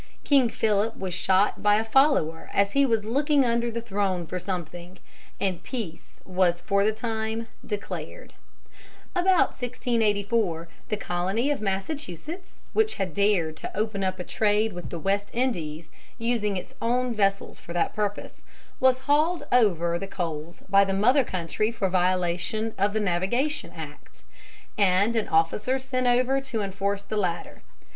King Philip was shot by a follower as he was looking under the throne for something, and peace was for the time declared. [Illustration: AN OVATION IN THE WAY OF EGGS AND CODFISH.] About 1684 the Colony of Massachusetts, which had dared to open up a trade with the West Indies, using its own vessels for that purpose, was hauled over the coals by the mother country for violation of the Navigation Act, and an officer sent over to enforce the latter.